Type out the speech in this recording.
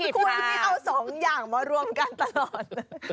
คุณพี่เอาสองอย่างมารวมกันตลอด